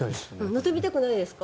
乗ってみたくないですか？